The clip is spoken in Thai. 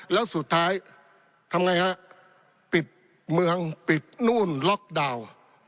แล้วสุดท้ายทำไงฮะปิดเมืองปิดนู่นล็อกดาวน์